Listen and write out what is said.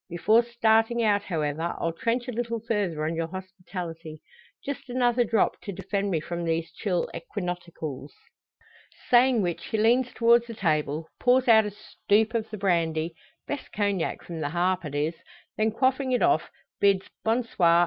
Before starting out, however, I'll trench a little further on your hospitality. Just another drop, to defend me from these chill equinoctials." Saying which he leans towards the table, pours out a stoop of the brandy best Cognac from the "Harp" it is then quaffing it off, bids "bon soir!"